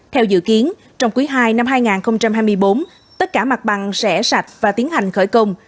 theo dự kiến trong quý ii năm hai nghìn hai mươi bốn tất cả mặt bằng sẽ sạch và tiến hành khởi công